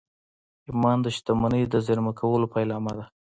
ایمان د شتمنۍ د زېرمه کولو پیلامه ده